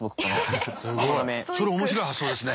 それ面白い発想ですね。